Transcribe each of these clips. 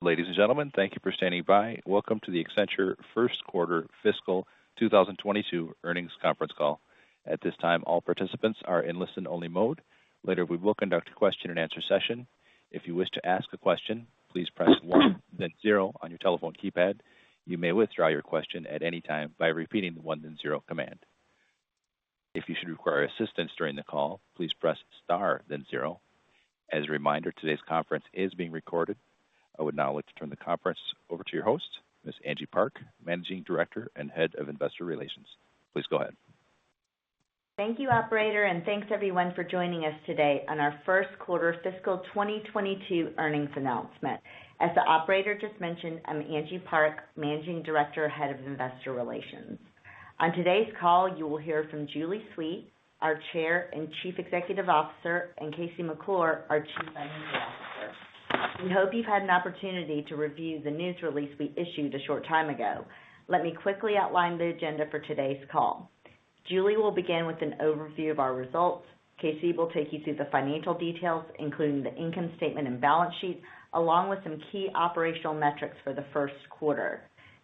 Ladies and gentlemen, thank you for standing by. Welcome to the Accenture first quarter fiscal 2022 earnings conference call. At this time, all participants are in listen-only mode. Later, we will conduct a question-and-answer session. If you wish to ask a question, please press one then zero on your telephone keypad. You may withdraw your question at any time by repeating the one then zero command. If you should require assistance during the call, please press star then zero. As a reminder, today's conference is being recorded. I would now like to turn the conference over to your host, Ms. Angie Park, Managing Director and Head of Investor Relations. Please go ahead. Thank you, Operator, and thanks everyone for joining us today on our first quarter fiscal 2022 earnings announcement. As the operator just mentioned, I'm Angie Park, Managing Director, Head of Investor Relations. On today's call, you will hear from Julie Sweet, our Chair and Chief Executive Officer, and KC McClure, our Chief Financial Officer. We hope you've had an opportunity to review the news release we issued a short time ago. Let me quickly outline the agenda for today's call. Julie will begin with an overview of our results. KC will take you through the financial details, including the income statement and balance sheet, along with some key operational metrics for the first quarter.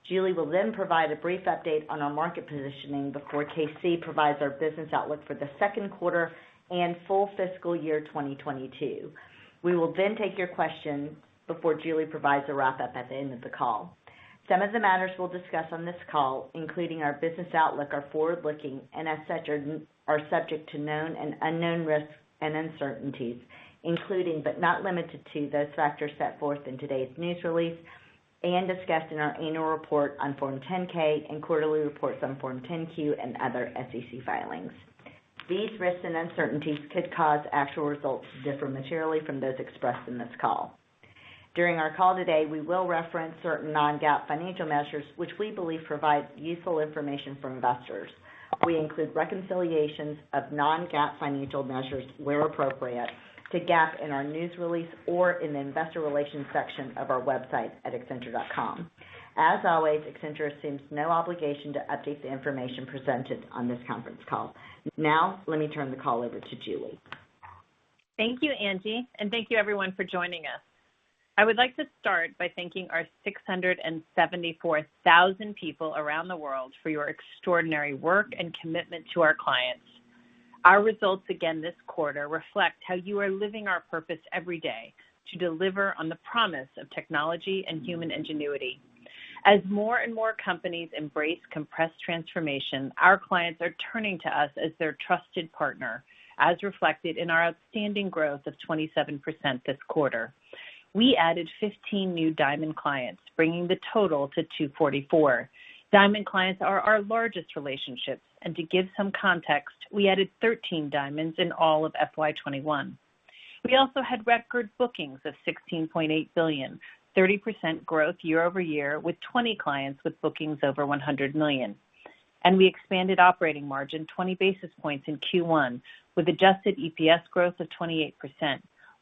Julie will then provide a brief update on our market positioning before KC provides our business outlook for the second quarter and full fiscal year 2022. We will then take your questions before Julie provides a wrap-up at the end of the call. Some of the matters we'll discuss on this call, including our business outlook, are forward-looking and as such, are subject to known and unknown risks and uncertainties, including but not limited to, those factors set forth in today's news release and discussed in our annual report on Form 10-K and quarterly reports on Form 10-Q and other SEC filings. These risks and uncertainties could cause actual results to differ materially from those expressed in this call. During our call today, we will reference certain non-GAAP financial measures which we believe provide useful information for investors. We include reconciliations of non-GAAP financial measures where appropriate to GAAP in our news release or in the investor relations section of our website at accenture.com. As always, Accenture assumes no obligation to update the information presented on this conference call. Now, let me turn the call over to Julie. Thank you, Angie, and thank you everyone for joining us. I would like to start by thanking our 674,000 people around the world for your extraordinary work and commitment to our clients. Our results again this quarter reflect how you are living our purpose every day to deliver on the promise of technology and human ingenuity. As more and more companies embrace compressed transformation, our clients are turning to us as their trusted partner, as reflected in our outstanding growth of 27% this quarter. We added 15 new Diamond clients, bringing the total to 244. Diamond clients are our largest relationships, and to give some context, we added 13 Diamonds in all of FY 2021. We also had record bookings of $16.8 billion, 30% growth year over year, with 20 clients with bookings over $100 million. We expanded operating margin 20 basis points in Q1 with adjusted EPS growth of 28%.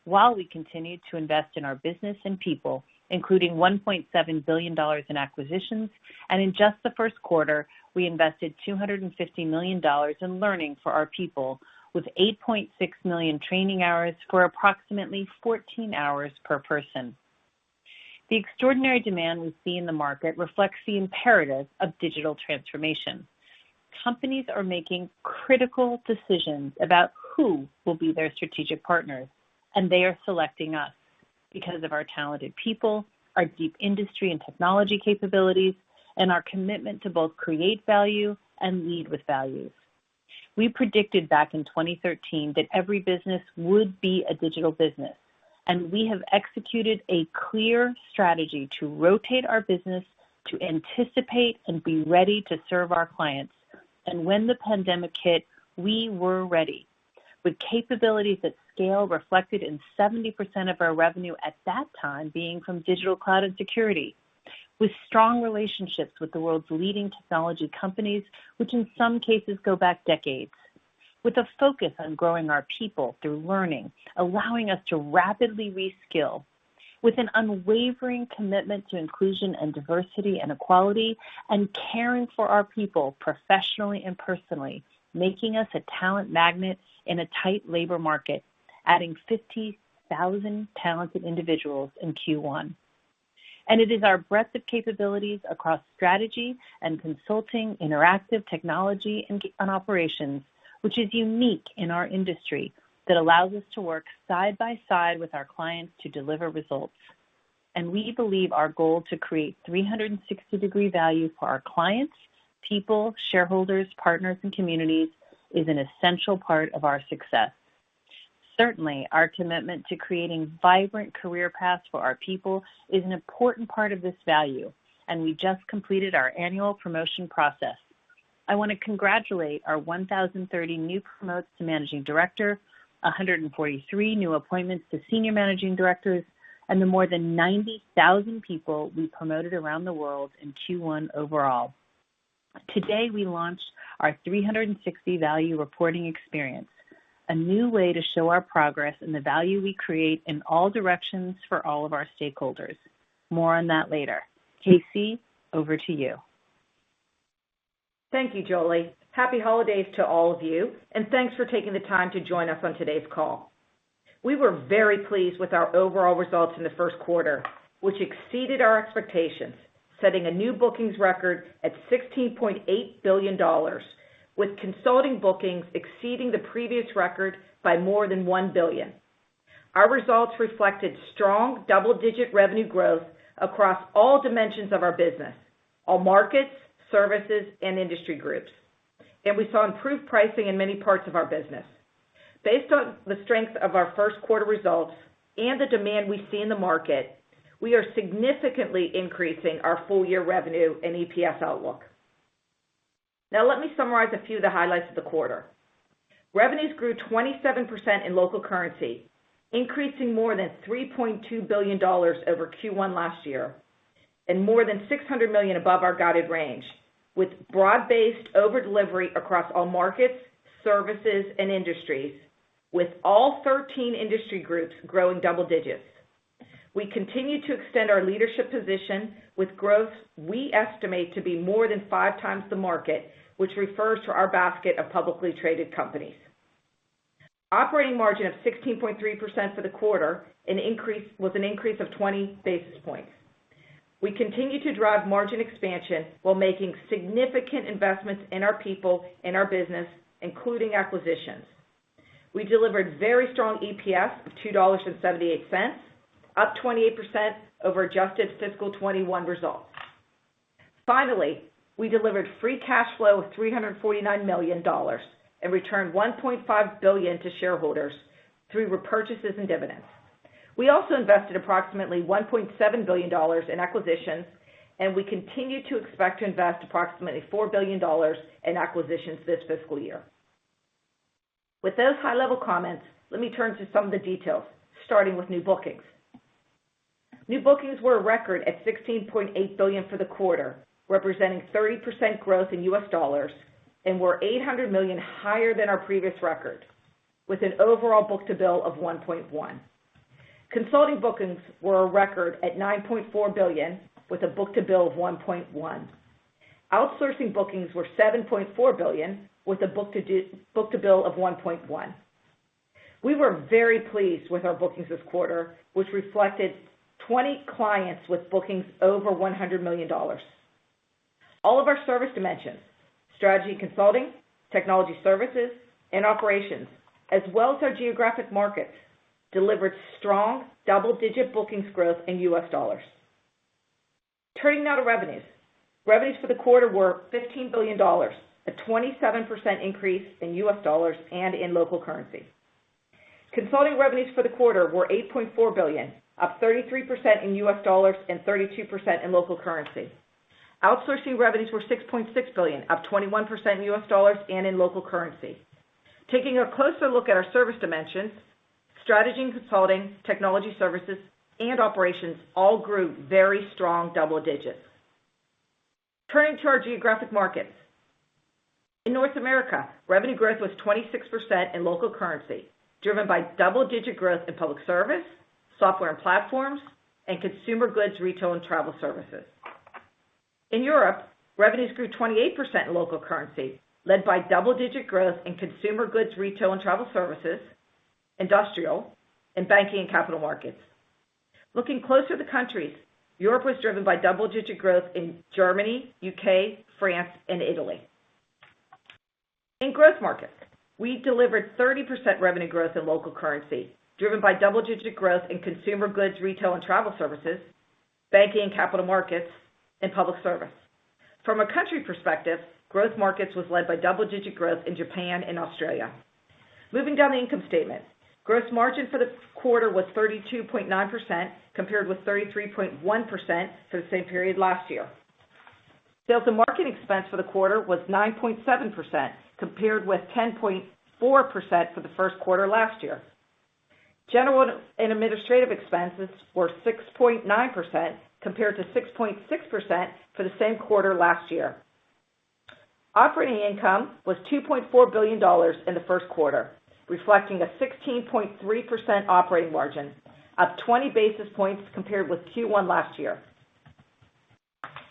While we continued to invest in our business and people, including $1.7 billion in acquisitions. In just the first quarter, we invested $250 million in learning for our people with 8.6 million training hours for approximately 14 hours per person. The extraordinary demand we see in the market reflects the imperative of digital transformation. Companies are making critical decisions about who will be their strategic partners, and they are selecting us because of our talented people, our deep industry and technology capabilities, and our commitment to both create value and lead with values. We predicted back in 2013 that every business would be a digital business, and we have executed a clear strategy to rotate our business to anticipate and be ready to serve our clients. When the pandemic hit, we were ready with capabilities at scale reflected in 70% of our revenue at that time being from digital cloud and security, with strong relationships with the world's leading technology companies, which in some cases go back decades, with a focus on growing our people through learning, allowing us to rapidly reskill, with an unwavering commitment to inclusion and diversity and equality, and caring for our people professionally and personally, making us a talent magnet in a tight labor market, adding 50,000 talented individuals in Q1. It is our breadth of capabilities across strategy and consulting, interactive technology and operations, which is unique in our industry that allows us to work side by side with our clients to deliver results. We believe our goal to create 360-degree value for our clients, people, shareholders, partners, and communities is an essential part of our success. Certainly, our commitment to creating vibrant career paths for our people is an important part of this value, and we just completed our annual promotion process. I want to congratulate our 1,030 new promotes to Managing Director, 143 new appointments to Senior Managing Directors, and the more than 90,000 people we promoted around the world in Q1 overall. Today, we launched our 360 value reporting experience, a new way to show our progress and the value we create in all directions for all of our stakeholders. More on that later. KC, over to you. Thank you, Julie. Happy holidays to all of you, and thanks for taking the time to join us on today's call. We were very pleased with our overall results in the first quarter, which exceeded our expectations, setting a new bookings record at $16.8 billion, with consulting bookings exceeding the previous record by more than $1 billion. Our results reflected strong double-digit revenue growth across all dimensions of our business, all markets, services, and industry groups. We saw improved pricing in many parts of our business. Based on the strength of our first quarter results and the demand we see in the market, we are significantly increasing our full year revenue and EPS outlook. Now, let me summarize a few of the highlights of the quarter. Revenues grew 27% in local currency, increasing more than $3.2 billion over Q1 last year, and more than $600 million above our guided range, with broad-based over-delivery across all markets, services, and industries, with all 13 industry groups growing double digits. We continue to extend our leadership position with growth we estimate to be more than 5 times the market, which refers to our basket of publicly traded companies. Operating margin of 16.3% for the quarter, an increase of 20 basis points. We continue to drive margin expansion while making significant investments in our people and our business, including acquisitions. We delivered very strong EPS of $2.78, up 28% over adjusted FY 2021 results. Finally, we delivered free cash flow of $349 million and returned $1.5 billion to shareholders through repurchases and dividends. We also invested approximately $1.7 billion in acquisitions, and we continue to expect to invest approximately $4 billion in acquisitions this fiscal year. With those high-level comments, let me turn to some of the details, starting with new bookings. New bookings were a record at $16.8 billion for the quarter, representing 30% growth in U.S. dollars and were $800 million higher than our previous record, with an overall book-to-bill of 1.1. Consulting bookings were a record at $9.4 billion, with a book-to-bill of 1.1. Outsourcing bookings were $7.4 billion, with a book-to-bill of 1.1. We were very pleased with our bookings this quarter, which reflected 20 clients with bookings over $100 million. All of our service dimensions, strategy consulting, technology services, and operations, as well as our geographic markets, delivered strong double-digit bookings growth in U.S. dollars. Turning now to revenues. Revenues for the quarter were $15 billion, a 27% increase in U.S. dollars and in local currency. Consulting revenues for the quarter were $8.4 billion, up 33% in U.S. dollars and 32% in local currency. Outsourcing revenues were $6.6 billion, up 21% in U.S. dollars and in local currency. Taking a closer look at our service dimensions, strategy and consulting, technology services, and operations all grew very strong double digits. Turning to our geographic markets. In North America, revenue growth was 26% in local currency, driven by double-digit growth in Public Service, Software and Platforms, and Consumer Goods, Retail, and Travel Services. In Europe, revenues grew 28% in local currency, led by double-digit growth in Consumer Goods, Retail and Travel Services, Industrial, and Banking and Capital Markets. Looking closer to the countries, Europe was driven by double-digit growth in Germany, U.K., France, and Italy. In growth markets, we delivered 30% revenue growth in local currency, driven by double-digit growth in Consumer Goods, Retail and Travel Services, Banking and Capital Markets, and Public Service. From a country perspective, growth markets was led by double-digit growth in Japan and Australia. Moving down the income statement. Gross margin for the quarter was 32.9%, compared with 33.1% for the same period last year. Sales and marketing expense for the quarter was 9.7%, compared with 10.4% for the first quarter last year. General and administrative expenses were 6.9%, compared to 6.6% for the same quarter last year. Operating income was $2.4 billion in the first quarter, reflecting a 16.3% operating margin, up 20 basis points compared with Q1 last year.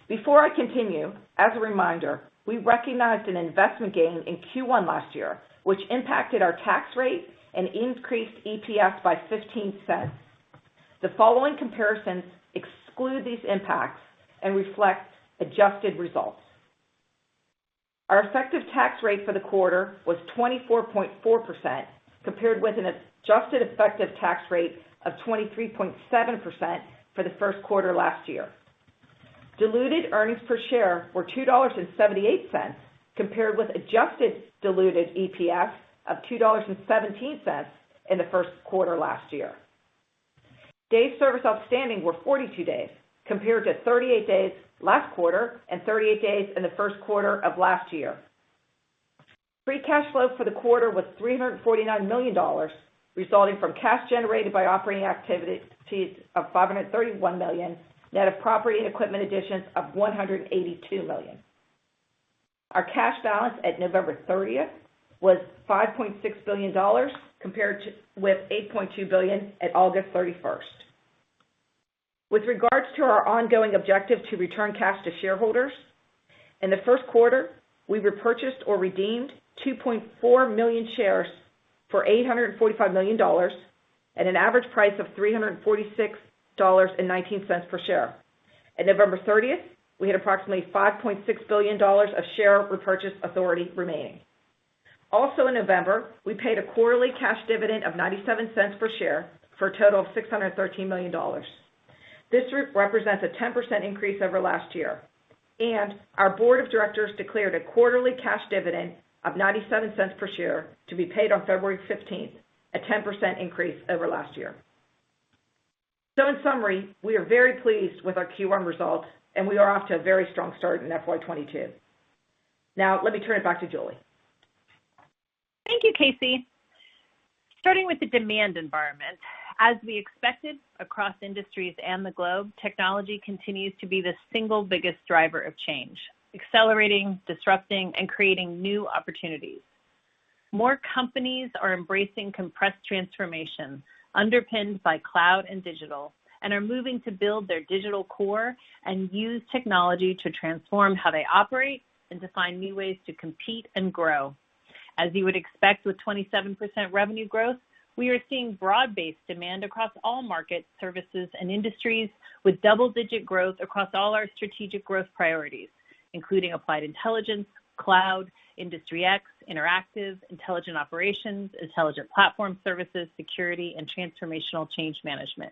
Before I continue, as a reminder, we recognized an investment gain in Q1 last year, which impacted our tax rate and increased EPS by $0.15. The following comparisons exclude these impacts and reflect adjusted results. Our effective tax rate for the quarter was 24.4%, compared with an adjusted effective tax rate of 23.7% for the first quarter last year. Diluted earnings per share were $2.78, compared with adjusted diluted EPS of $2.17 in the first quarter last year. Days sales outstanding were 42 days, compared to 38 days last quarter and 38 days in the first quarter of last year. Free cash flow for the quarter was $349 million, resulting from cash generated by operating activities of $531 million, net of property and equipment additions of $182 million. Our cash balance at November 30 was $5.6 billion, compared to $8.2 billion at August 31. With regards to our ongoing objective to return cash to shareholders, in the first quarter, we repurchased or redeemed 2.4 million shares for $845 million at an average price of $346.19 per share. At November 30, we had approximately $5.6 billion of share repurchase authority remaining. Also in November, we paid a quarterly cash dividend of $0.97 per share for a total of $613 million. This represents a 10% increase over last year, and our board of directors declared a quarterly cash dividend of $0.97 per share to be paid on February 15, a 10% increase over last year. In summary, we are very pleased with our Q1 results and we are off to a very strong start in FY 2022. Now let me turn it back to Julie. Thank you, KC. Starting with the demand environment, as we expected across industries and the globe, technology continues to be the single biggest driver of change, accelerating, disrupting, and creating new opportunities. More companies are embracing compressed transformation underpinned by cloud and digital, and are moving to build their digital core and use technology to transform how they operate and to find new ways to compete and grow. As you would expect with 27% revenue growth, we are seeing broad-based demand across all markets, services and industries with double-digit growth across all our strategic growth priorities, including Applied Intelligence, Cloud, Industry X, Interactive, Intelligent Operations, Intelligent Platform Services, Security, and transformational change management.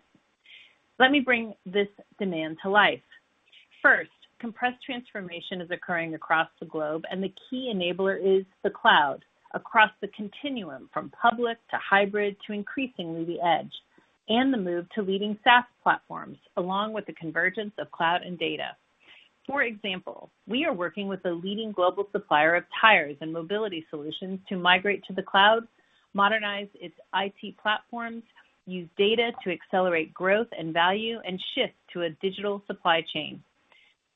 Let me bring this demand to life. First, compressed transformation is occurring across the globe, and the key enabler is the cloud. Across the continuum, from public to hybrid to increasingly the edge and the move to leading SaaS platforms along with the convergence of cloud and data. For example, we are working with a leading global supplier of tires and mobility solutions to migrate to the cloud, modernize its IT platforms, use data to accelerate growth and value, and shift to a digital supply chain.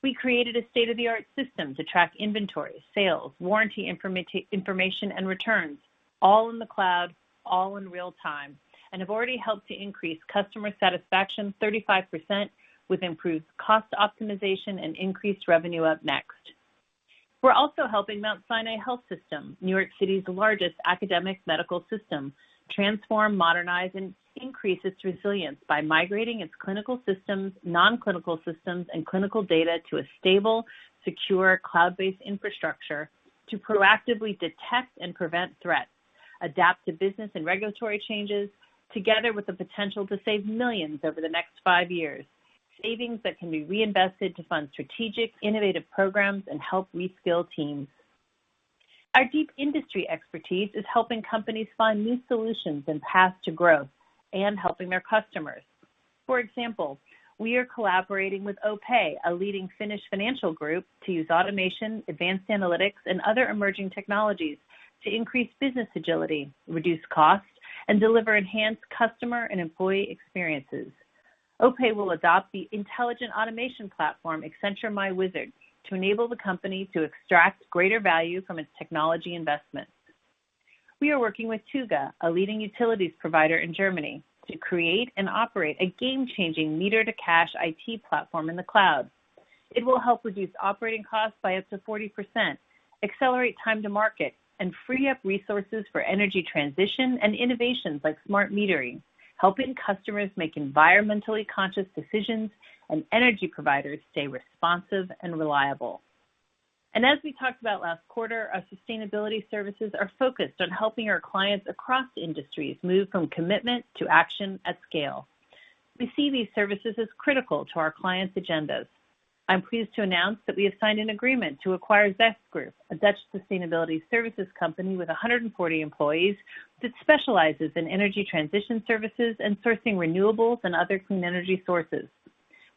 We created a state-of-the-art system to track inventory, sales, warranty information, and returns, all in the cloud, all in real time, and have already helped to increase customer satisfaction 35% with improved cost optimization and increased revenue up next. We're also helping Mount Sinai Health System, New York City's largest academic medical system, transform, modernize, and increase its resilience by migrating its clinical systems, non-clinical systems, and clinical data to a stable, secure, cloud-based infrastructure to proactively detect and prevent threats, adapt to business and regulatory changes together with the potential to save $ millions over the next five years, savings that can be reinvested to fund strategic, innovative programs and help reskill teams. Our deep industry expertise is helping companies find new solutions and paths to growth and helping their customers. For example, we are collaborating with OP Financial Group, a leading Finnish financial group, to use automation, advanced analytics, and other emerging technologies to increase business agility, reduce costs, and deliver enhanced customer and employee experiences. OP Financial Group will adopt the intelligent automation platform, Accenture myWizard, to enable the company to extract greater value from its technology investments. We are working with Thüga, a leading utilities provider in Germany, to create and operate a game-changing meter to cash IT platform in the cloud. It will help reduce operating costs by up to 40%, accelerate time to market and free up resources for energy transition and innovations like smart metering, helping customers make environmentally conscious decisions and energy providers stay responsive and reliable. As we talked about last quarter, our sustainability services are focused on helping our clients across industries move from commitment to action at scale. We see these services as critical to our clients' agendas. I'm pleased to announce that we have signed an agreement to acquire Zestgroup, a Dutch sustainability services company with 140 employees that specializes in energy transition services and sourcing renewables and other clean energy sources.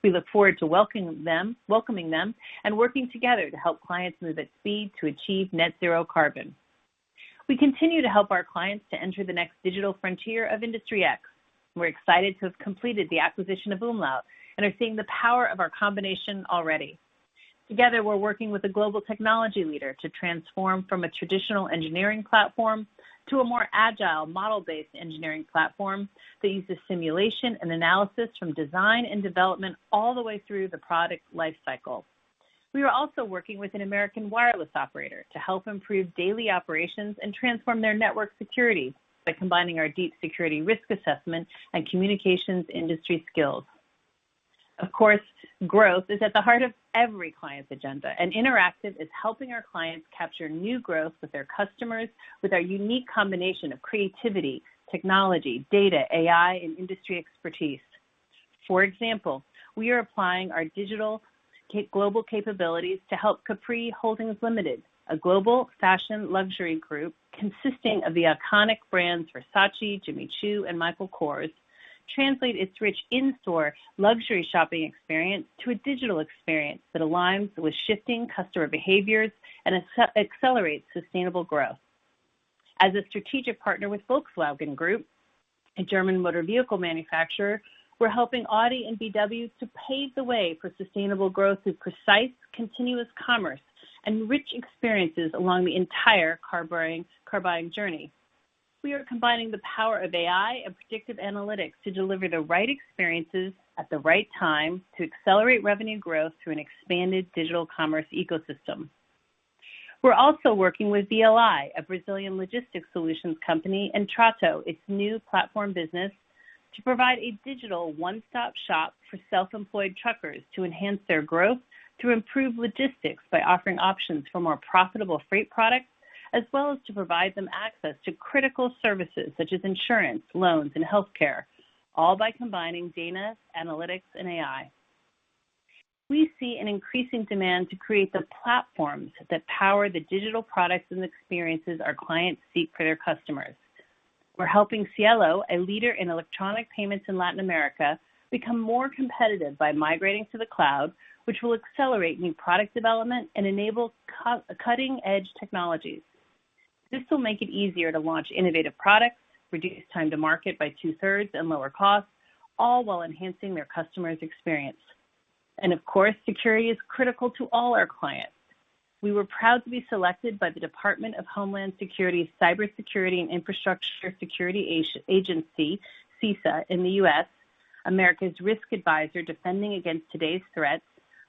We look forward to welcoming them and working together to help clients move at speed to achieve net zero carbon. We continue to help our clients to enter the next digital frontier of Industry X. We're excited to have completed the acquisition of umlaut and are seeing the power of our combination already. Together, we're working with a global technology leader to transform from a traditional engineering platform to a more agile model-based engineering platform that uses simulation and analysis from design and development all the way through the product lifecycle. We are also working with an American wireless operator to help improve daily operations and transform their network security by combining our deep security risk assessment and communications industry skills. Of course, growth is at the heart of every client's agenda, and Interactive is helping our clients capture new growth with their customers with our unique combination of creativity, technology, data, AI, and industry expertise. For example, we are applying our digital global capabilities to help Capri Holdings Limited, a global fashion luxury group consisting of the iconic brands Versace, Jimmy Choo, and Michael Kors translate its rich in-store luxury shopping experience to a digital experience that aligns with shifting customer behaviors and accelerates sustainable growth. As a strategic partner with Volkswagen Group, a German motor vehicle manufacturer, we're helping Audi and VW to pave the way for sustainable growth through precise continuous commerce and rich experiences along the entire car buying journey. We are combining the power of AI and predictive analytics to deliver the right experiences at the right time to accelerate revenue growth through an expanded digital commerce ecosystem. We're also working with VLI, a Brazilian logistics solutions company, and Trato, its new platform business, to provide a digital one-stop shop for self-employed truckers to enhance their growth, to improve logistics by offering options for more profitable freight products, as well as to provide them access to critical services such as insurance, loans, and health care, all by combining data, analytics, and AI. We see an increasing demand to create the platforms that power the digital products and experiences our clients seek for their customers. We're helping Cielo, a leader in electronic payments in Latin America, become more competitive by migrating to the cloud, which will accelerate new product development and enable cutting-edge technologies. This will make it easier to launch innovative products, reduce time to market by two-thirds, and lower costs, all while enhancing their customers' experience. Of course, security is critical to all our clients. We were proud to be selected by the Department of Homeland Security's Cybersecurity and Infrastructure Security Agency, CISA, in the U.S., America's risk advisor, defending against today's threats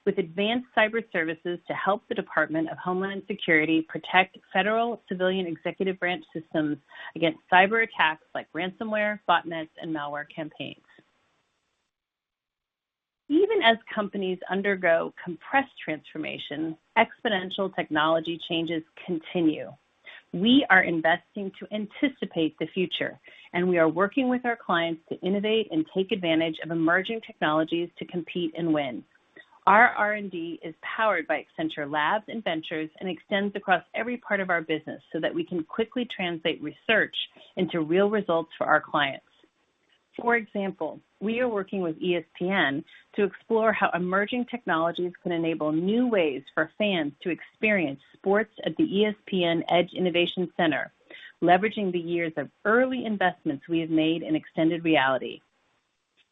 with advanced cyber services to help the Department of Homeland Security protect federal civilian executive branch systems against cyberattacks like ransomware, botnets, and malware campaigns. Even as companies undergo compressed transformation, exponential technology changes continue. We are investing to anticipate the future, and we are working with our clients to innovate and take advantage of emerging technologies to compete and win. Our R&D is powered by Accenture Labs and Ventures and extends across every part of our business so that we can quickly translate research into real results for our clients. For example, we are working with ESPN to explore how emerging technologies can enable new ways for fans to experience sports at the ESPN Edge Innovation Center, leveraging the years of early investments we have made in extended reality.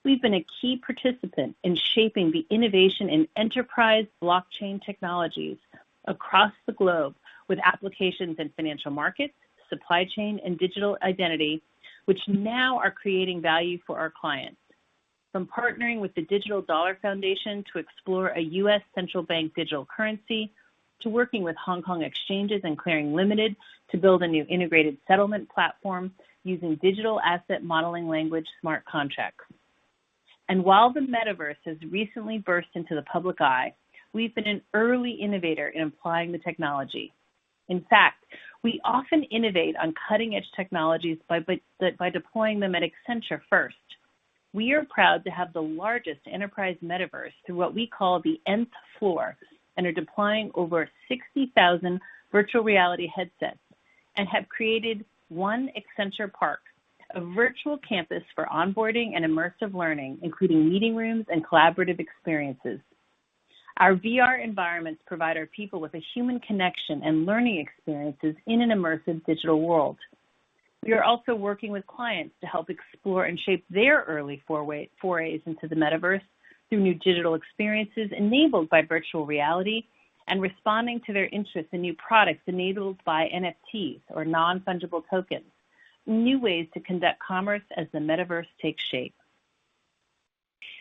We've been a key participant in shaping the innovation in enterprise blockchain technologies across the globe with applications in financial markets, supply chain, and digital identity, which now are creating value for our clients. From partnering with the Digital Dollar Foundation to explore a U.S. Central Bank Digital Currency, to working with Hong Kong Exchanges and Clearing Limited to build a new integrated settlement platform using Digital Asset Modeling Language smart contracts. While the metaverse has recently burst into the public eye, we've been an early innovator in applying the technology. In fact, we often innovate on cutting-edge technologies by deploying them at Accenture first. We are proud to have the largest enterprise metaverse through what we call the Nth Floor and are deploying over 60,000 virtual reality headsets and have created one Accenture Park, a virtual campus for onboarding and immersive learning, including meeting rooms and collaborative experiences. Our VR environments provide our people with a human connection and learning experiences in an immersive digital world. We are also working with clients to help explore and shape their early forays into the metaverse through new digital experiences enabled by virtual reality and responding to their interest in new products enabled by NFTs or non-fungible tokens, new ways to conduct commerce as the metaverse takes shape.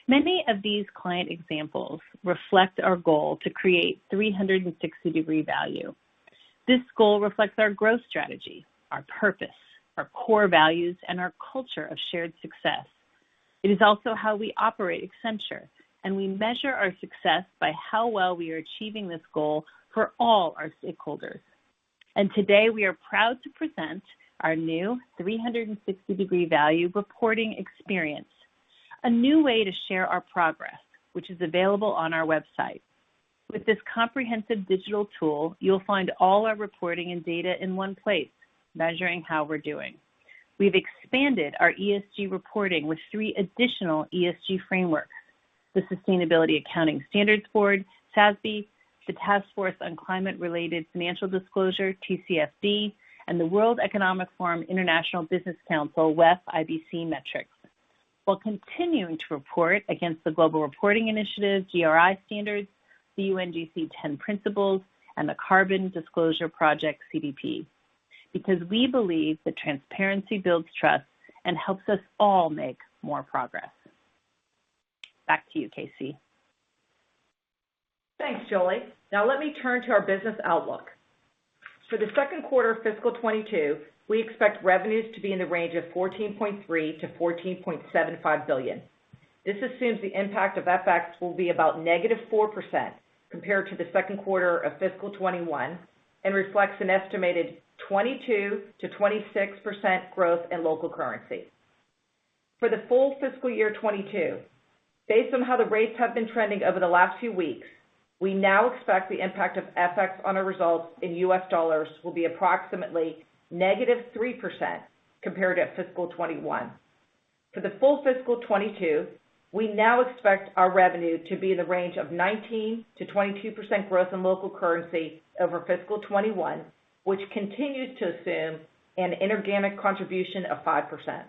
Many of these client examples reflect our goal to create 360-degree value. This goal reflects our growth strategy, our purpose, our core values, and our culture of shared success. It is also how we operate Accenture, and we measure our success by how well we are achieving this goal for all our stakeholders. Today, we are proud to present our new 360-degree value reporting experience, a new way to share our progress, which is available on our website. With this comprehensive digital tool, you'll find all our reporting and data in one place, measuring how we're doing. We've expanded our ESG reporting with three additional ESG frameworks. The Sustainability Accounting Standards Board, SASB, the Task Force on Climate-related Financial Disclosures, TCFD, and the World Economic Forum International Business Council, WEF IBC Metrics, while continuing to report against the Global Reporting Initiative, GRI Standards, the UNGC Ten Principles, and the Carbon Disclosure Project, CDP, because we believe that transparency builds trust and helps us all make more progress. Back to you, KC. Thanks, Julie. Now let me turn to our business outlook. For the second quarter of fiscal 2022, we expect revenues to be in the range of $14.3 billion-$14.75 billion. This assumes the impact of FX will be about -4% compared to the second quarter of fiscal 2021 and reflects an estimated 22%-26% growth in local currency. For the full fiscal year 2022, based on how the rates have been trending over the last few weeks, we now expect the impact of FX on our results in US dollars will be approximately -3% compared to fiscal 2021. For the full fiscal 2022, we now expect our revenue to be in the range of 19%-22% growth in local currency over fiscal 2021, which continues to assume an inorganic contribution of 5%.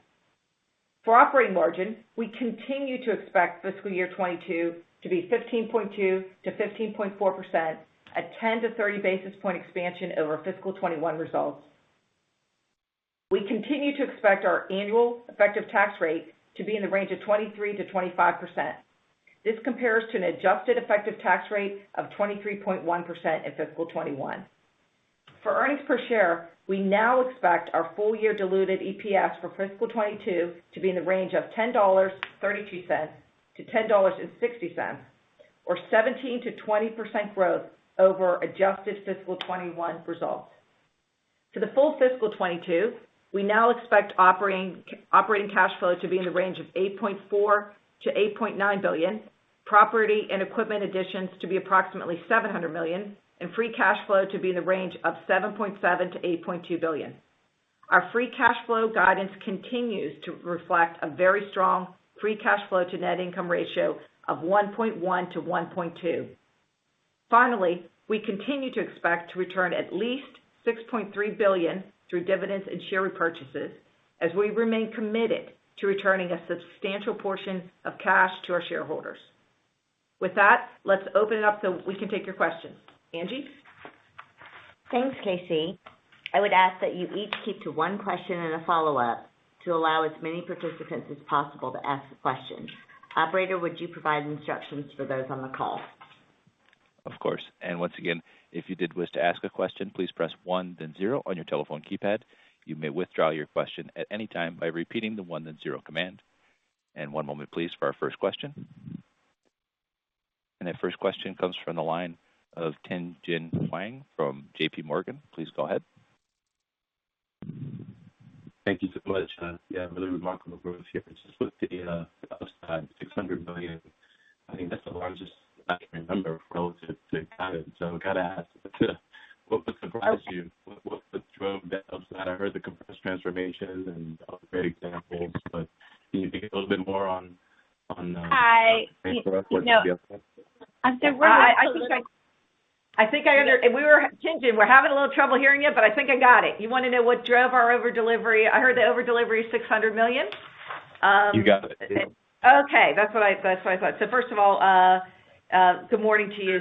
For operating margin, we continue to expect fiscal year 2022 to be 15.2%-15.4% at 10-30 basis point expansion over fiscal 2021 results. We continue to expect our annual effective tax rate to be in the range of 23%-25%. This compares to an adjusted effective tax rate of 23.1% in fiscal 2021. For earnings per share, we now expect our full year diluted EPS for fiscal 2022 to be in the range of $10.32-$10.60, or 17%-20% growth over adjusted fiscal 2021 results. For the full fiscal 2022, we now expect operating cash flow to be in the range of $8.4 billion-$8.9 billion, property and equipment additions to be approximately $700 million, and free cash flow to be in the range of $7.7 billion-$8.2 billion. Our free cash flow guidance continues to reflect a very strong free cash flow to net income ratio of 1.1-1.2. Finally, we continue to expect to return at least $6.3 billion through dividends and share repurchases as we remain committed to returning a substantial portion of cash to our shareholders. With that, let's open it up so we can take your questions. Angie? Thanks, KC. I would ask that you each keep to one question and a follow-up to allow as many participants as possible to ask a question. Operator, would you provide instructions for those on the call? Of course. Once again, if you did wish to ask a question, please press one, then zero on your telephone keypad. You may withdraw your question at any time by repeating the one, then zero command. One moment, please, for our first question. That first question comes from the line of Tien-tsin Huang from JPMorgan. Please go ahead. Thank you so much. Yeah, really remarkable growth here. Just with the upside $600 million, I think that's the largest I can remember relative to guidance. I've got to ask, what surprised you? What drove that upside? I heard the compressed transformation and all the great examples, but can you give a little bit more on- Hi. Tien-tsin, we're having a little trouble hearing you, but I think I got it. You want to know what drove our over delivery. I heard the over delivery $600 million. You got it. Okay. That's what I thought. First of all, good morning to you.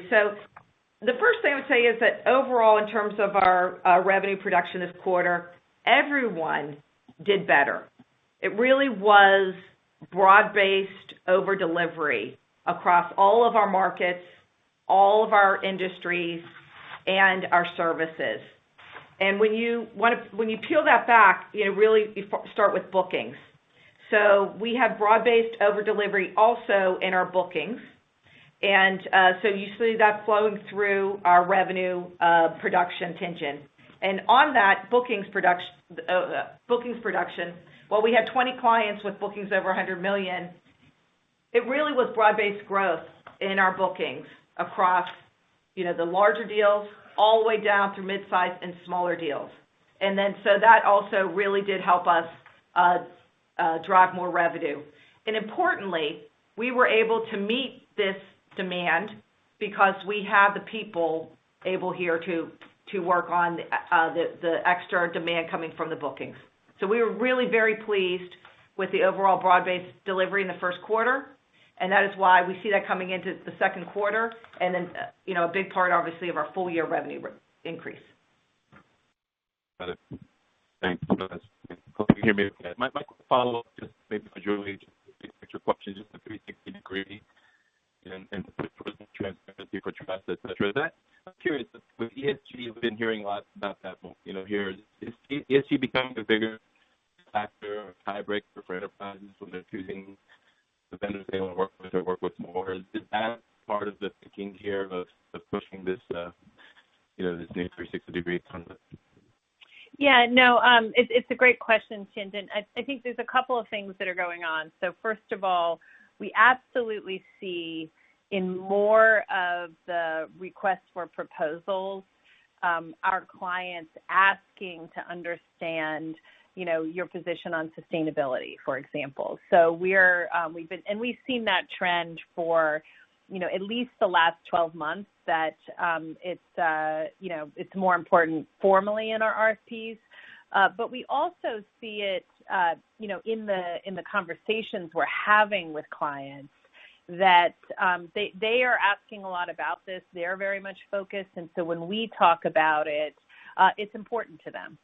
The first thing I would say is that overall, in terms of our revenue production this quarter, everyone did better. It really was broad-based over delivery across all of our markets, all of our industries, and our services. When you peel that back, you know, really, you start with bookings. We have broad-based over delivery also in our bookings. You see that flowing through our revenue production. And then on that bookings production, while we had 20 clients with bookings over $100 million, it really was broad-based growth in our bookings across, you know, the larger deals all the way down through mid-size and smaller deals. That also really did help us drive more revenue. Importantly, we were able to meet this demand because we have the people available here to work on the extra demand coming from the bookings. We were really very pleased with the overall broad-based delivery in the first quarter, and that is why we see that coming into the second quarter and then, you know, a big part obviously of our full year revenue increase. Got it. Thanks. Hope you hear me okay. My follow-up, just maybe for Julie, just an extra question, just the 360-degree and the presence transparency for trust, et cetera. I'm curious, with ESG, we've been hearing a lot about that one, you know, here. Is ESG becoming a bigger factor or tiebreaker for enterprises when they're choosing the vendors they want to work with or work with more? Is that part of the thinking here of pushing this, you know, this new 360-degree concept? Yeah. No, it's a great question, Tien-tsin. I think there's a couple of things that are going on. First of all, we absolutely see in more of the requests for proposals, our clients asking to understand, you know, your position on sustainability, for example. We've seen that trend for, you know, at least the last 12 months that it's, you know, it's more important formally in our RFPs. We also see it, you know, in the conversations we're having with clients that they are asking a lot about this. They're very much focused. When we talk about it's important to them.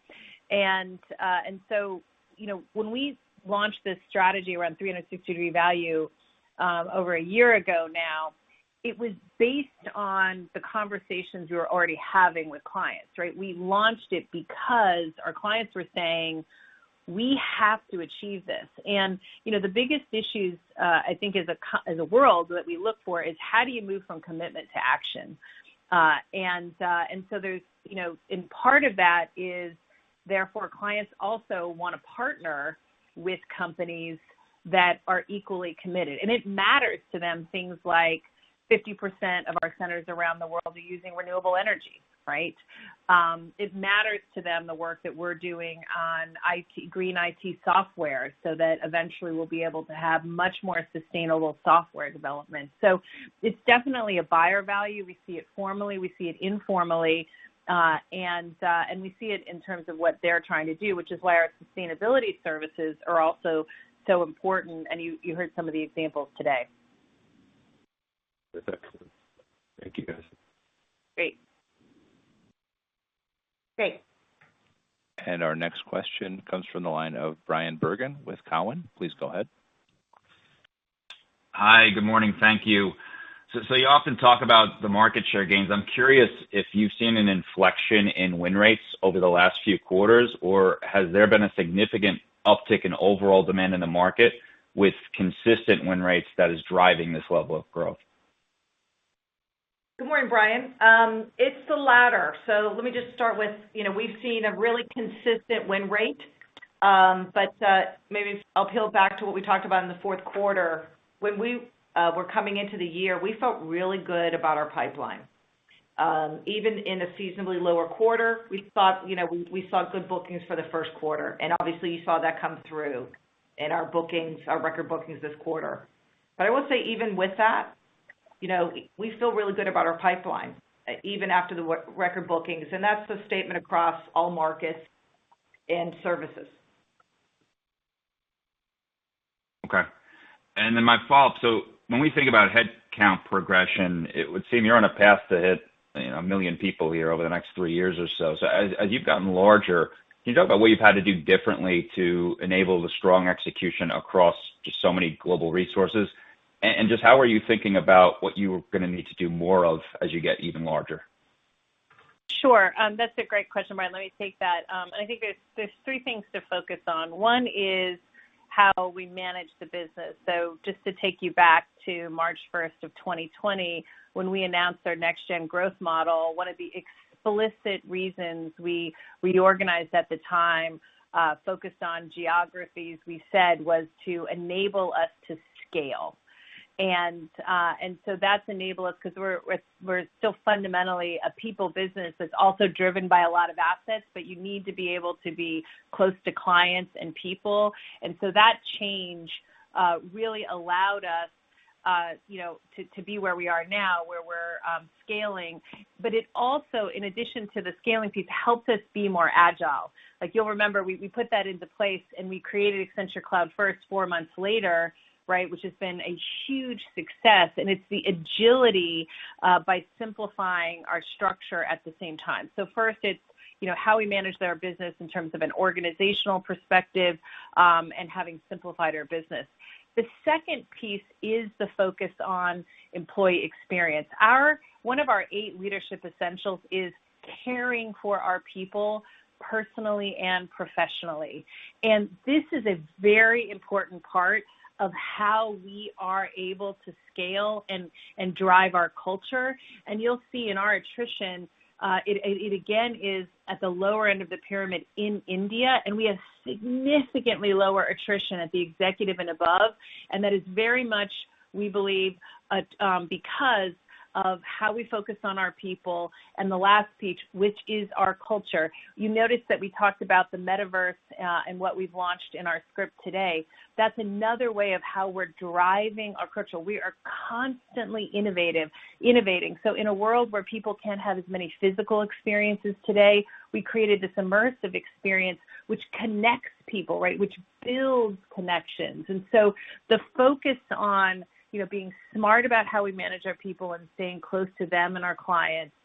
You know, when we launched this strategy around 360-degree value over a year ago now, it was based on the conversations we were already having with clients, right? We launched it because our clients were saying, "We have to achieve this." You know, the biggest issues I think as a world that we look for is how do you move from commitment to action? There's you know part of that is therefore, clients also wanna partner with companies that are equally committed, and it matters to them, things like 50% of our centers around the world are using renewable energy, right? It matters to them the work that we're doing on green IT software, so that eventually we'll be able to have much more sustainable software development. It's definitely a buyer value. We see it formally, we see it informally, and we see it in terms of what they're trying to do, which is why our sustainability services are also so important, and you heard some of the examples today. That's excellent. Thank you, guys. Great. Great. Our next question comes from the line of Bryan Bergin with Cowen. Please go ahead. Hi. Good morning. Thank you. You often talk about the market share gains. I'm curious if you've seen an inflection in win rates over the last few quarters, or has there been a significant uptick in overall demand in the market with consistent win rates that is driving this level of growth? Good morning, Brian. It's the latter. Let me just start with, you know, we've seen a really consistent win rate, but maybe I'll peel back to what we talked about in the fourth quarter. When we were coming into the year, we felt really good about our pipeline. Even in a seasonally lower quarter, we thought, you know, we saw good bookings for the first quarter, and obviously you saw that come through in our bookings, our record bookings this quarter. I will say even with that, you know, we feel really good about our pipeline, even after the record bookings, and that's the statement across all markets and services. Okay. my follow-up. When we think about headcount progression, it would seem you're on a path to hit, you know, a million people here over the next three years or so. As you've gotten larger, can you talk about what you've had to do differently to enable the strong execution across just so many global resources? Just how are you thinking about what you're gonna need to do more of as you get even larger? Sure. That's a great question, Brian. Let me take that. I think there's three things to focus on. One is how we manage the business. Just to take you back to March 1, 2020, when we announced our next gen growth model, one of the explicit reasons we reorganized at the time focused on geographies, we said was to enable us to scale. That's enabled us because we're still fundamentally a people business that's also driven by a lot of assets, but you need to be able to be close to clients and people. That change really allowed us, you know, to be where we are now, where we're scaling. It also, in addition to the scaling piece, helps us be more agile. Like you'll remember, we put that into place and we created Accenture Cloud First four months later, right? Which has been a huge success. It's the agility by simplifying our structure at the same time. First it's, you know, how we manage their business in terms of an organizational perspective, and having simplified our business. The second piece is the focus on employee experience. One of our eight leadership essentials is caring for our people personally and professionally. This is a very important part of how we are able to scale and drive our culture. You'll see in our attrition, it again is at the lower end of the pyramid in India, and we have significantly lower attrition at the executive and above. That is very much, we believe, at, because of how we focus on our people and the last piece, which is our culture. You noticed that we talked about the metaverse, and what we've launched in our script today. That's another way of how we're driving our culture. We are constantly innovating. In a world where people can't have as many physical experiences today, we created this immersive experience which connects people, right? Which builds connections. The focus on, you know, being smart about how we manage our people and staying close to them and our clients,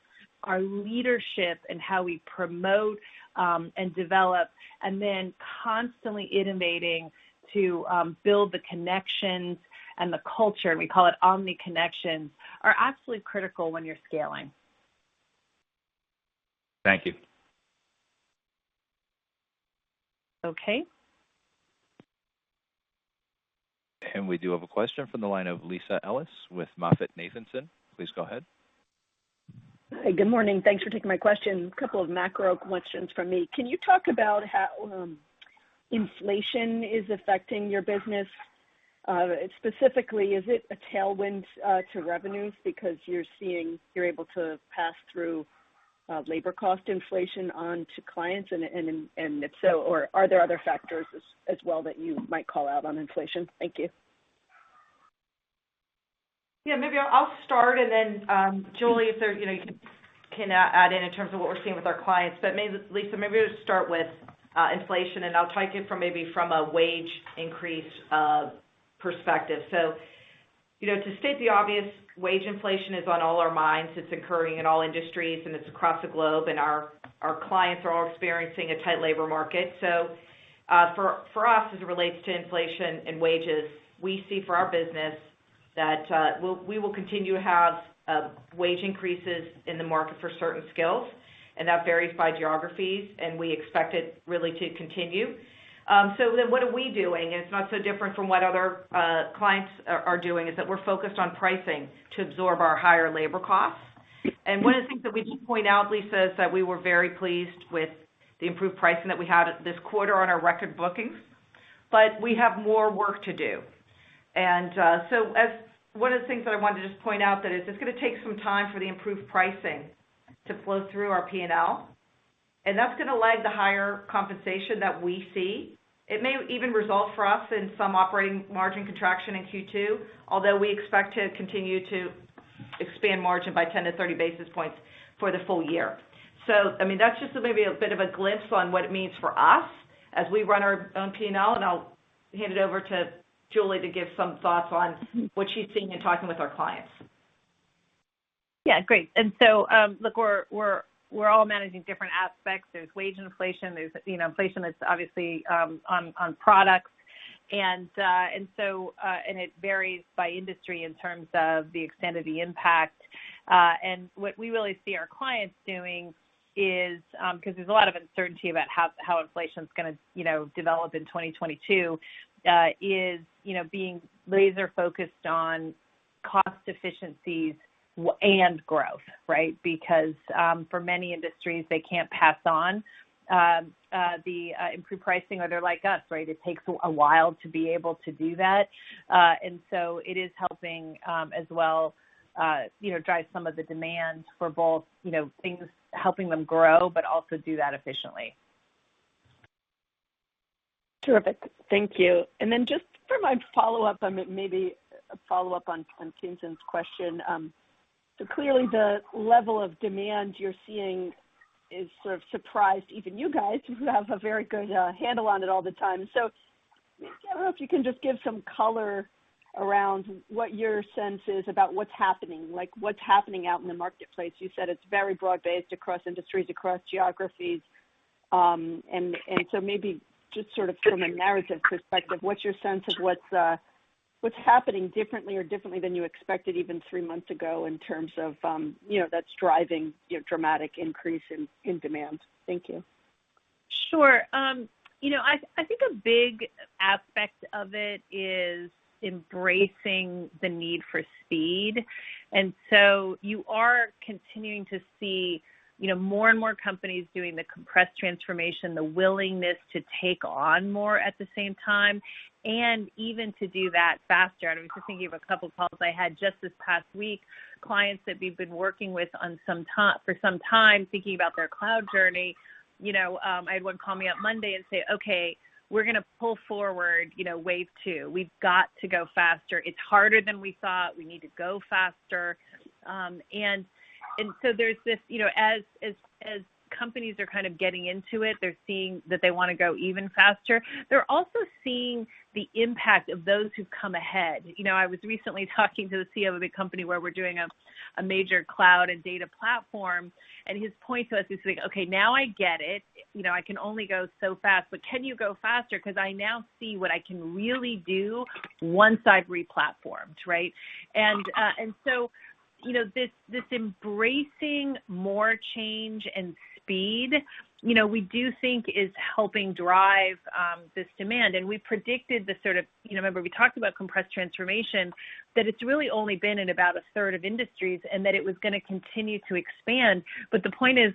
our leadership and how we promote, and develop, and then constantly innovating to, build the connections and the culture, we call it omni-connections, are absolutely critical when you're scaling. Thank you. Okay. We do have a question from the line of Lisa Ellis with MoffettNathanson. Please go ahead. Hi. Good morning. Thanks for taking my question. A couple of macro questions from me. Can you talk about how inflation is affecting your business? Specifically, is it a tailwind to revenues because you're able to pass through labor cost inflation on to clients? If so, or are there other factors as well that you might call out on inflation? Thank you. Yeah. Maybe I'll start and then, Julie, if there, you know, you can add in in terms of what we're seeing with our clients. Lisa, maybe we'll start with inflation, and I'll take it from a wage increase perspective. You know, to state the obvious, wage inflation is on all our minds. It's occurring in all industries, and it's across the globe. Our clients are all experiencing a tight labor market. For us, as it relates to inflation and wages, we see for our business that we will continue to have wage increases in the market for certain skills, and that varies by geographies, and we expect it really to continue. Then what are we doing? It's not so different from what other clients are doing, in that we're focused on pricing to absorb our higher labor costs. One of the things that we did point out, Lisa, is that we were very pleased with the improved pricing that we had this quarter on our record bookings. We have more work to do. So, as one of the things that I wanted to just point out, that is, it's gonna take some time for the improved pricing to flow through our P&L. That's gonna lag the higher compensation that we see. It may even result for us in some operating margin contraction in Q2, although we expect to continue to expand margin by 10-30 basis points for the full year. I mean, that's just maybe a bit of a glimpse on what it means for us as we run our own P&L. I'll hand it over to Julie to give some thoughts on what she's seeing and talking with our clients. Yeah, great. Look, we're all managing different aspects. There's wage inflation. There's, you know, inflation that's obviously on products. It varies by industry in terms of the extent of the impact. What we really see our clients doing is, 'cause there's a lot of uncertainty about how inflation's gonna, you know, develop in 2022, being laser-focused on cost efficiencies and growth, right? Because for many industries, they can't pass on improved pricing or they're like us, right? It takes a while to be able to do that. It is helping, as well, you know, drive some of the demand for both, you know, things helping them grow, but also do that efficiently. Terrific. Thank you. Then just for my follow-up, it may be a follow-up on Tien-tsin Huang's question. Clearly the level of demand you're seeing has sort of surprised even you guys who have a very good handle on it all the time. I don't know if you can just give some color around what your sense is about what's happening, like what's happening out in the marketplace. You said it's very broad-based across industries, across geographies. Maybe just sort of from a narrative perspective, what's your sense of what's happening differently than you expected even three months ago in terms of you know that's driving your dramatic increase in demand? Thank you. Sure. You know, I think a big aspect of it is embracing the need for speed. You are continuing to see, you know, more and more companies doing the compressed transformation, the willingness to take on more at the same time, and even to do that faster. I was just thinking of a couple of calls I had just this past week, clients that we've been working with for some time thinking about their cloud journey. You know, I had one call me up Monday and say, "Okay, we're gonna pull forward, you know, wave two. We've got to go faster. It's harder than we thought. We need to go faster." There's this, you know, as companies are kind of getting into it, they're seeing that they wanna go even faster. They're also seeing the impact of those who've come ahead. You know, I was recently talking to the CEO of a big company where we're doing a major cloud and data platform, and his point to us, he's like, "Okay, now I get it. You know, I can only go so fast, but can you go faster? 'Cause I now see what I can really do once I've re-platformed, right?" You know, this embracing more change and speed, you know, we do think is helping drive this demand. We predicted. You know, remember we talked about compressed transformation, that it's really only been in about a third of industries, and that it was gonna continue to expand. The point is,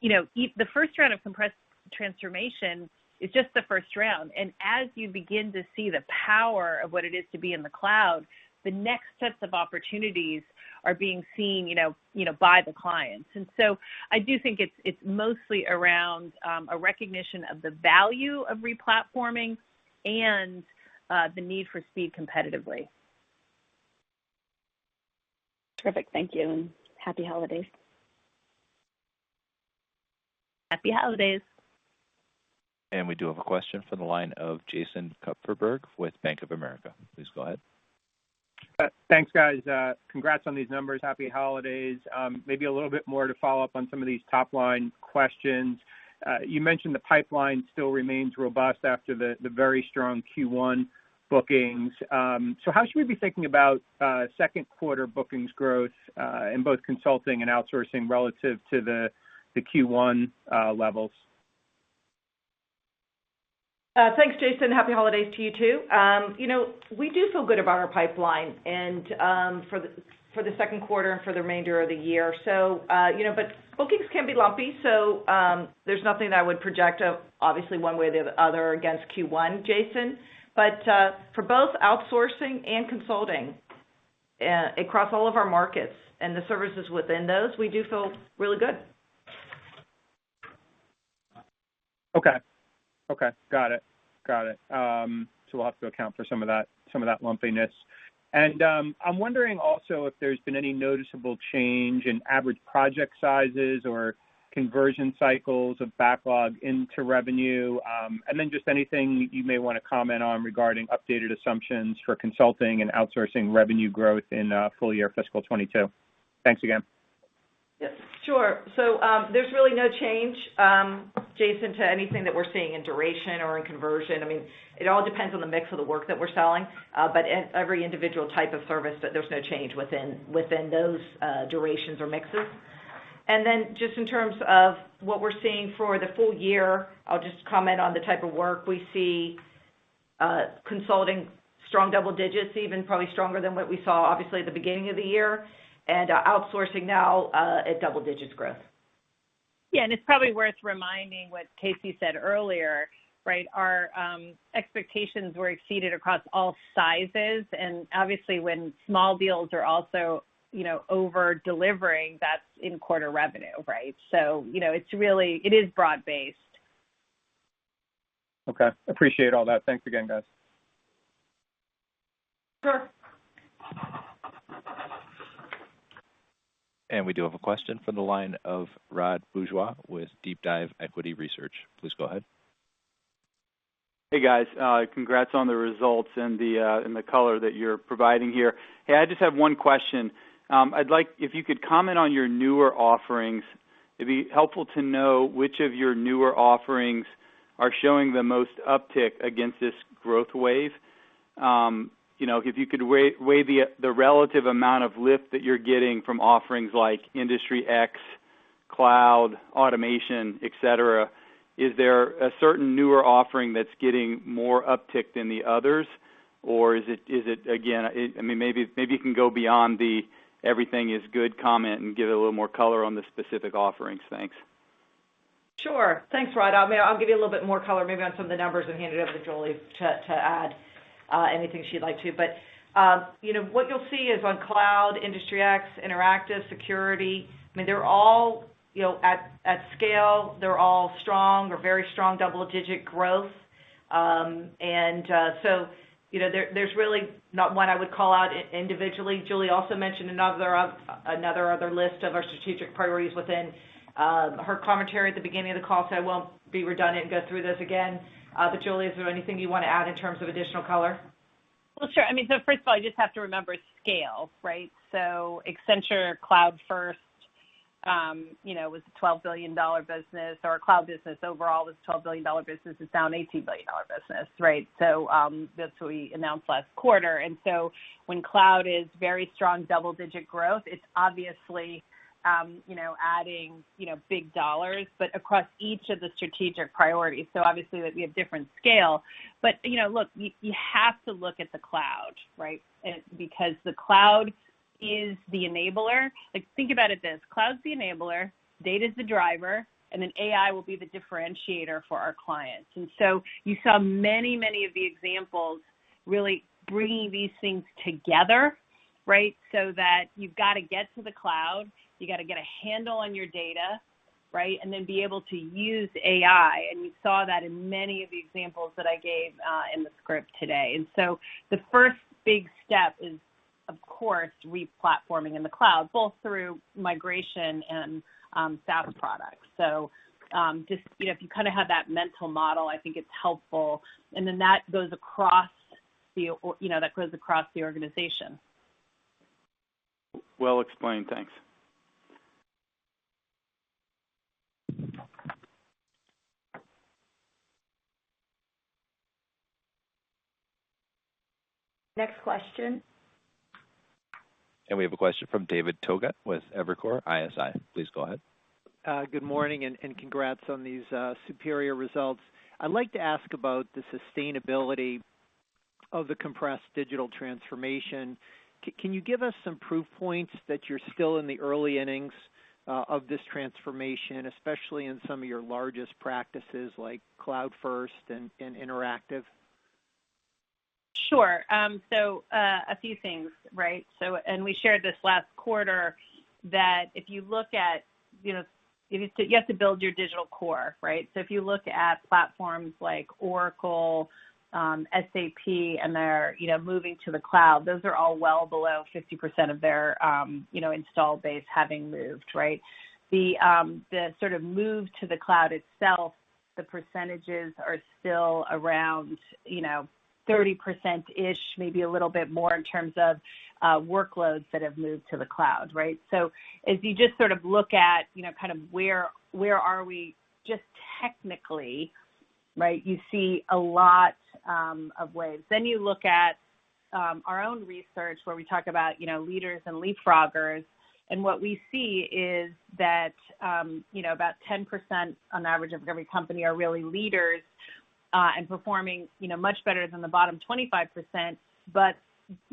you know, each, the first round of compressed transformation is just the first round. As you begin to see the power of what it is to be in the cloud, the next sets of opportunities are being seen, you know, by the clients. I do think it's mostly around a recognition of the value of re-platforming and the need for speed competitively. Terrific. Thank you, and happy holidays. Happy holidays. We do have a question from the line of Jason Kupferberg with Bank of America. Please go ahead. Thanks, guys. Congrats on these numbers. Happy holidays. Maybe a little bit more to follow up on some of these top-line questions. You mentioned the pipeline still remains robust after the very strong Q1 bookings. So how should we be thinking about second quarter bookings growth in both consulting and outsourcing relative to the Q1 levels? Thanks, Jason. Happy holidays to you, too. You know, we do feel good about our pipeline and for the second quarter and for the remainder of the year. You know, bookings can be lumpy. There's nothing that I would project obviously one way or the other against Q1, Jason. For both outsourcing and consulting, across all of our markets and the services within those, we do feel really good. Okay. Got it. We'll have to account for some of that lumpiness. I'm wondering also if there's been any noticeable change in average project sizes or conversion cycles of backlog into revenue. Just anything you may wanna comment on regarding updated assumptions for consulting and outsourcing revenue growth in full year fiscal 2022. Thanks again. Yeah, sure. There's really no change, Jason, to anything that we're seeing in duration or in conversion. I mean, it all depends on the mix of the work that we're selling, but every individual type of service, there's no change within those durations or mixes. Just in terms of what we're seeing for the full year, I'll just comment on the type of work we see, consulting strong double digits, even probably stronger than what we saw obviously at the beginning of the year, and outsourcing now at double digits growth. It's probably worth reminding what KC said earlier, right? Our expectations were exceeded across all sizes. Obviously, when small deals are also, you know, over-delivering, that's in quarter revenue, right? You know, it's really broad-based. Okay. Appreciate all that. Thanks again, guys. Sure. We do have a question from the line of Rod Bourgeois with DeepDive Equity Research. Please go ahead. Hey, guys. Congrats on the results and the color that you're providing here. Hey, I just have one question. If you could comment on your newer offerings, it'd be helpful to know which of your newer offerings are showing the most uptick against this growth wave. You know, if you could weigh the relative amount of lift that you're getting from offerings like Industry X, cloud, automation, et cetera. Is there a certain newer offering that's getting more uptick than the others, or is it again? I mean, maybe you can go beyond the everything is good comment and give it a little more color on the specific offerings. Thanks. Sure. Thanks, Rod. I mean, I'll give you a little bit more color maybe on some of the numbers, and hand it over to Julie to add anything she'd like to. You know, what you'll see is on Cloud, Industry X, Interactive, Security. I mean, they're all, you know, at scale. They're all strong or very strong double-digit growth. You know, there's really not one I would call out individually. Julie also mentioned another list of our strategic priorities within her commentary at the beginning of the call, so I won't be redundant and go through this again. Julie, is there anything you want to add in terms of additional color? Well, sure. I mean, first of all, you just have to remember scale, right? Accenture Cloud First, you know, was a $12 billion business, or our cloud business overall was a $12 billion business. It's now an $18 billion business, right? That's what we announced last quarter. When cloud is very strong double-digit growth, it's obviously, you know, adding, you know, big dollars, but across each of the strategic priorities. Obviously we have different scale. But, you know, look, you have to look at the cloud, right? Because the cloud is the enabler. Like, think about it this: cloud is the enabler, data is the driver, and then AI will be the differentiator for our clients. You saw many, many of the examples really bringing these things together, right? That you've got to get to the cloud, you got to get a handle on your data, right? Then be able to use AI. We saw that in many of the examples that I gave in the script today. The first big step is, of course, re-platforming in the cloud, both through migration and SaaS products. Just, you know, if you kind of have that mental model, I think it's helpful. You know, that goes across the organization. Well explained. Thanks. Next question. We have a question from David Togut with Evercore ISI. Please go ahead. Good morning, and congrats on these superior results. I'd like to ask about the sustainability of the compressed digital transformation. Can you give us some proof points that you're still in the early innings of this transformation, especially in some of your largest practices like Cloud First and Interactive? Sure. A few things, right? We shared this last quarter that if you look at, you know, you have to build your digital core, right? If you look at platforms like Oracle, SAP, and they're, you know, moving to the cloud, those are all well below 50% of their, you know, installed base having moved, right? The sort of move to the cloud itself, the percentages are still around, you know, 30%-ish, maybe a little bit more in terms of workloads that have moved to the cloud, right? As you just sort of look at, you know, kind of where are we just technically, right? You see a lot of waves. You look at our own research where we talk about, you know, leaders and leapfroggers, and what we see is that, you know, about 10% on average of every company are really leaders, and performing, you know, much better than the bottom 25%.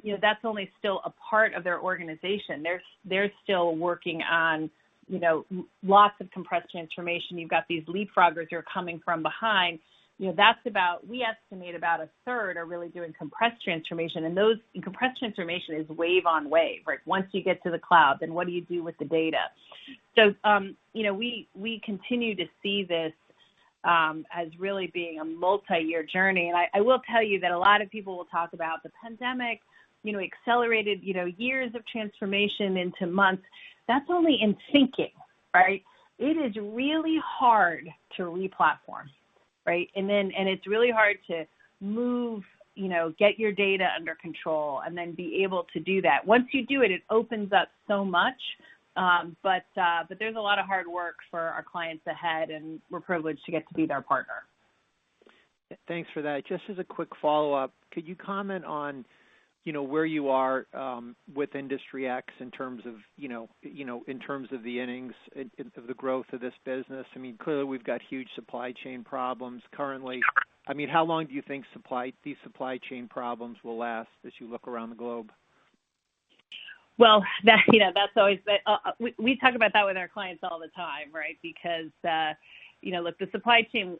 You know, that's only still a part of their organization. They're still working on, you know, lots of compressed transformation. You've got these leapfroggers who are coming from behind. You know, that's about a third. We estimate about a third are really doing compressed transformation. And those compressed transformation is wave on wave, right? Once you get to the cloud, then what do you do with the data? You know, we continue to see this as really being a multi-year journey. I will tell you that a lot of people will talk about the pandemic, you know, accelerated, you know, years of transformation into months. That's only in thinking, right? It is really hard to re-platform, right? It's really hard to move, you know, get your data under control and then be able to do that. Once you do it opens up so much. There's a lot of hard work for our clients ahead, and we're privileged to get to be their partner. Thanks for that. Just as a quick follow-up, could you comment on, you know, where you are with Industry X in terms of the innings, in terms of the growth of this business? I mean, clearly we've got huge supply chain problems currently. I mean, how long do you think these supply chain problems will last as you look around the globe? Well, that, you know, that's always. We talk about that with our clients all the time, right? Because, you know, look, the supply chain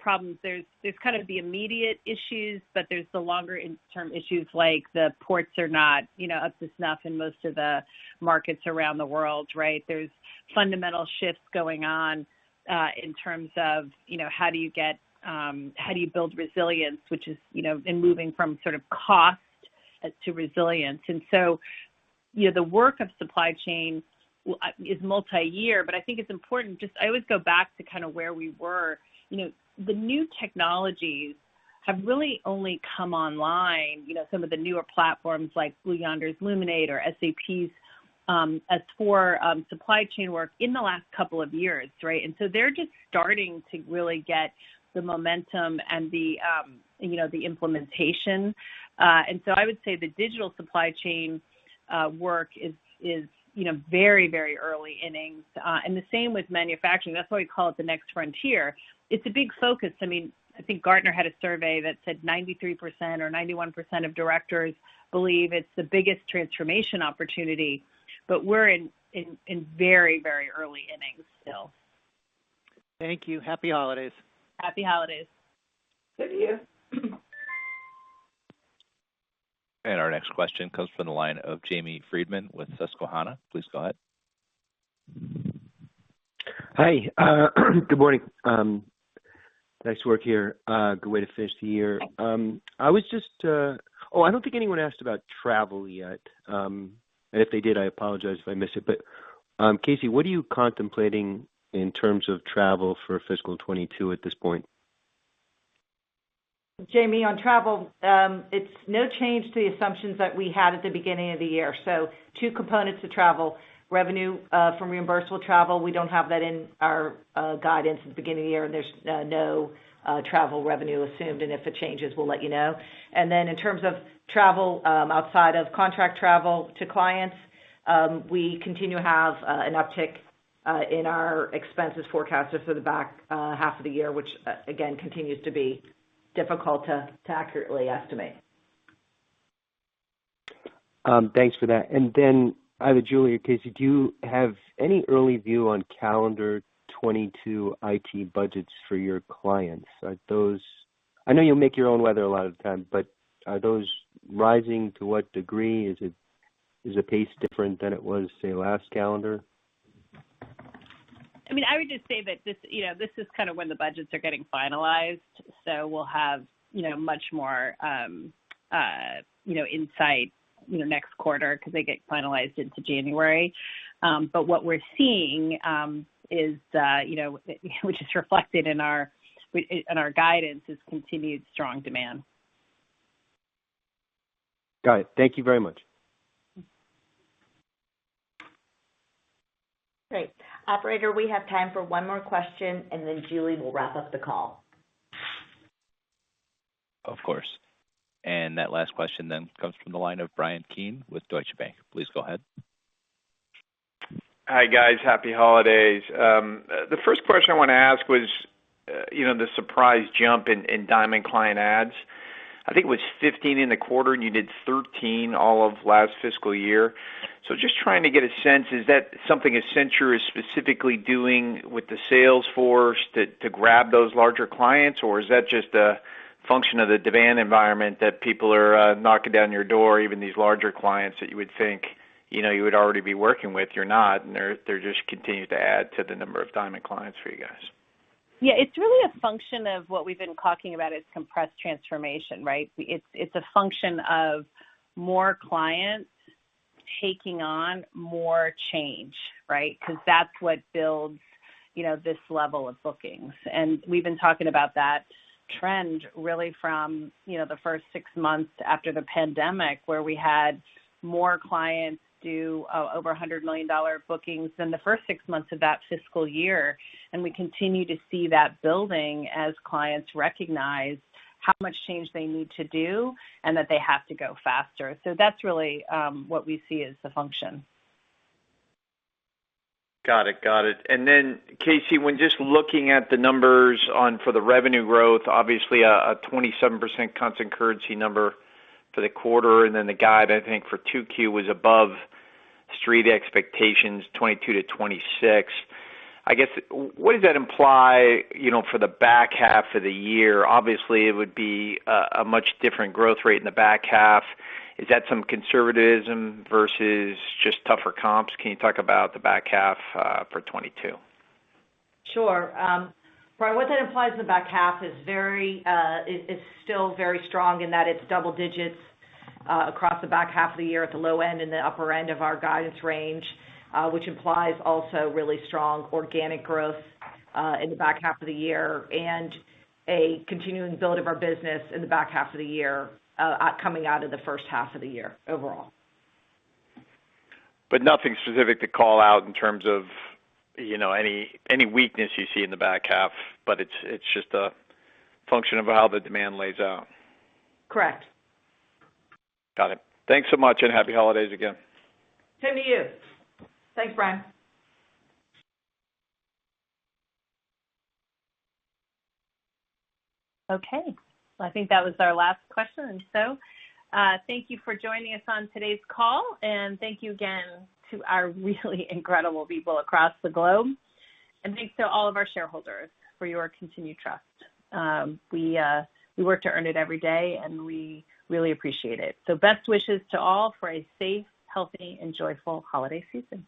problems, there's kind of the immediate issues, but there's the longer term issues, like the ports are not, you know, up to snuff in most of the markets around the world, right? There's fundamental shifts going on, in terms of, you know, how do you build resilience, which is, you know, in moving from sort of cost to resilience. You know, the work of supply chain is multi-year, but I think it's important just I always go back to kind of where we were. You know, the new technologies have really only come online, you know, some of the newer platforms like Blue Yonder's Luminate or SAP's S/4 supply chain work in the last couple of years, right? They're just starting to really get the momentum and the, you know, the implementation. I would say the digital supply chain work is, you know, very early innings, and the same with manufacturing. That's why we call it the next frontier. It's a big focus. I mean, I think Gartner had a survey that said 93% or 91% of directors believe it's the biggest transformation opportunity. We're in very early innings still. Thank you. Happy holidays. Happy holidays. Same to you. Our next question comes from the line of Jamie Friedman with Susquehanna. Please go ahead. Hi. Good morning. Nice work here. Good way to finish the year. Oh, I don't think anyone asked about travel yet. If they did, I apologize if I miss it, but KC, what are you contemplating in terms of travel for fiscal 2022 at this point? Jamie, on travel, it's no change to the assumptions that we had at the beginning of the year. Two components to travel. Revenue from reimbursable travel. We don't have that in our guidance at the beginning of the year, and there's no travel revenue assumed, and if it changes, we'll let you know. In terms of travel outside of contract travel to clients, we continue to have an uptick in our expenses forecasted for the back half of the year, which again continues to be difficult to accurately estimate. Thanks for that. Either Julie or KC, do you have any early view on calendar 2022 IT budgets for your clients? I know you'll make your own weather a lot of the time, but are those rising? To what degree is it? Is the pace different than it was, say, last calendar? I mean, I would just say that this, you know, this is kind of when the budgets are getting finalized, so we'll have, you know, much more, you know, insight, you know, next quarter 'cause they get finalized into January. What we're seeing, which is reflected in our guidance, is continued strong demand. Got it. Thank you very much. Great. Operator, we have time for one more question, and then Julie will wrap up the call. Of course. That last question then comes from the line of Bryan Keane with Deutsche Bank. Please go ahead. Hi, guys. Happy holidays. The first question I wanna ask was, you know, the surprise jump in Diamond client adds. I think it was 15 in the quarter, and you did 13 all of last fiscal year. Just trying to get a sense, is that something Accenture is specifically doing with the sales force to grab those larger clients, or is that just a function of the demand environment that people are knocking down your door, even these larger clients that you would think, you know, you would already be working with, you're not, and they're just continuing to add to the number of Diamond clients for you guys? Yeah. It's really a function of what we've been talking about as compressed transformation, right? It's a function of more clients taking on more change, right? 'Cause that's what builds, you know, this level of bookings. We've been talking about that trend really from, you know, the first six months after the pandemic, where we had more clients do over $100 million bookings than the first six months of that fiscal year. We continue to see that building as clients recognize how much change they need to do and that they have to go faster. That's really what we see as the function. Got it. KC, when just looking at the numbers on for the revenue growth, obviously a 27% constant currency number for the quarter, and then the guide, I think, for 2Q was above street expectations, 22%-26%. I guess, what does that imply, you know, for the back half of the year? Obviously, it would be a much different growth rate in the back half. Is that some conservatism versus just tougher comps? Can you talk about the back half for 2022? Sure. Brian, what that implies in the back half is very, it's still very strong in that it's double digits, across the back half of the year at the low end and the upper end of our guidance range, which implies also really strong organic growth, in the back half of the year and a continuing build of our business in the back half of the year, coming out of the first half of the year overall. nothing specific to call out in terms of, you know, any weakness you see in the back half, but it's just a function of how the demand lays out. Correct. Got it. Thanks so much, and happy holidays again. Same to you. Thanks, Brian. Okay. I think that was our last question. Thank you for joining us on today's call, and thank you again to our really incredible people across the globe. Thanks to all of our shareholders for your continued trust. We work to earn it every day, and we really appreciate it. Best wishes to all for a safe, healthy, and joyful holiday season.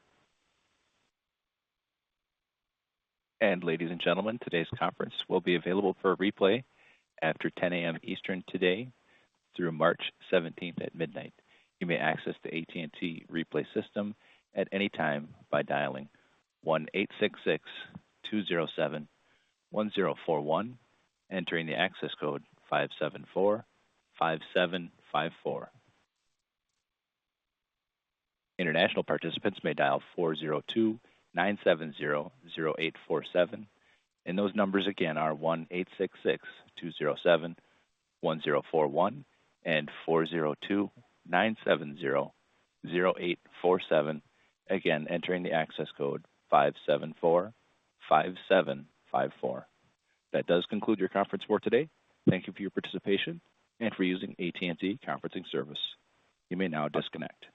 Ladies and gentlemen, today's conference will be available for a replay after 10 A.M. Eastern today through March 17 at midnight. You may access the AT&T replay system at any time by dialing 1-866-207-1041, entering the access code 574-5754. International participants may dial 402-970-0847, and those numbers again are 1-866-207-1041 and 402-970-0847, again entering the access code 574-5754. That does conclude your conference for today. Thank you for your participation and for using AT&T Conferencing service. You may now disconnect.